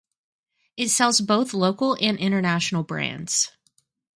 It sells both local and international brands.